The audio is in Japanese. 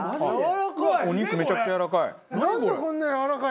お肉めちゃくちゃやわらかい。